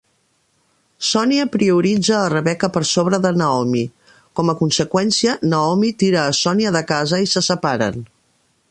Sonia prioritza a Rebecca per sobre de Naomi. Com a conseqüència, Naomi tira a Sonia de casa i se separen.